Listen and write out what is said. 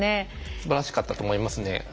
すばらしかったと思いますね。